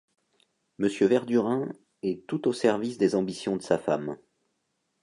Monsieur Verdurin est tout au service des ambitions de sa femme.